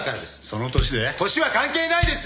その年で？